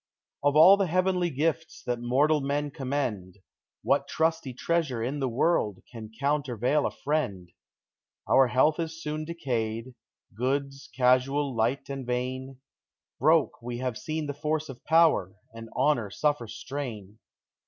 Of all the heavenly gifts that mortal men com mend, What trusty treasure in the world can counter vail a friend? Our health is soon decayed; goods, casual, light and vain ; Broke have we seen the force of power, and honor suffer stain.